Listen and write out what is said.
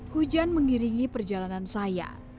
hujan mengiringi perjalanan saya